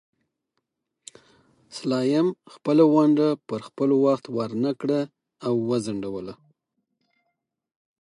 سلایم خپله ونډه پر خپل وخت ورنکړه او وځنډوله.